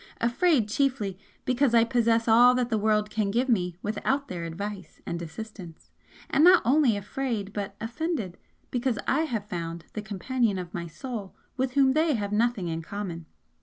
Afraid, chiefly, because I possess all that the world can give me without their advice and assistance and not only afraid, but offended, because I have found the Companion of my Soul with whom they have nothing in common.